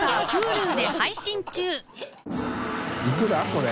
これ。